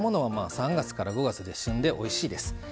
３月から５月が旬で、おいしいです。